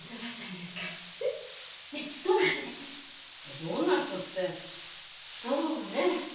どんな人ってそうね